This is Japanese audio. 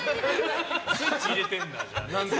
スイッチ入れてるんだ。